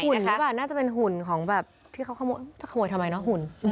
หรือเปล่าน่าจะเป็นหุ่นของแบบที่เขาขโมยทำไมเนอะหุ่น